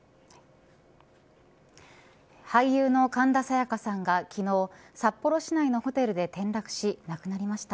俳優の神田沙也加さんが昨日、札幌市内のホテルで転落し、亡くなりました。